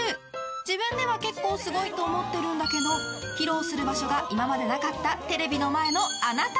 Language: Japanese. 自分では結構すごいと思ってるんだけど披露する場所が今までなかったテレビの前のあなた。